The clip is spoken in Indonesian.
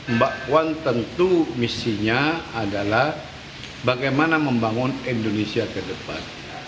mbak puan tentu misinya adalah bagaimana membangun indonesia ke depan